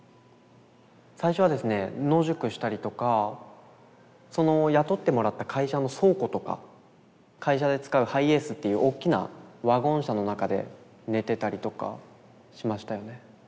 最初はですね野宿したりとか雇ってもらった会社の倉庫とか会社で使うハイエースっていうおっきなワゴン車の中で寝てたりとかしましたよね。